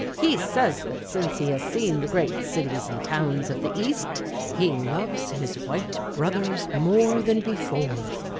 He says that since he has seen the great cities and towns of the East, he loves his white brothers more than before.